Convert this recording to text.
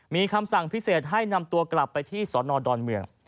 มีคำสั่งพิเศษให้นำตัวกลับไปที่สนดอนเมือง